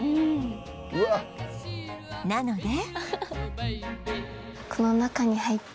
なので